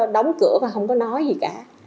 đóng cửa và không có nói gì cả